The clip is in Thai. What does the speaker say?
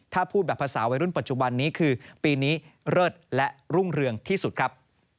ถ้าพูดแบบภาษาวัยรุ่นปัจจุบันนี้คือปีนี้เลิศและรุ่งเรืองที่สุดครับ